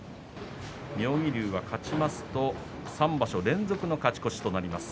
妙義龍は勝ちますと３場所連続の勝ち越しとなります。